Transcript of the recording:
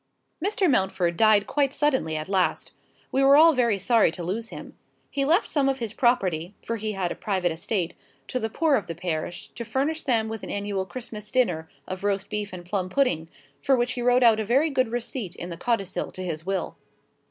Mr. Mountford died quite suddenly at last. We were all very sorry to lose him. He left some of his property (for he had a private estate) to the poor of the parish, to furnish them with an annual Christmas dinner of roast beef and plum pudding, for which he wrote out a very good receipt in the codicil to his will.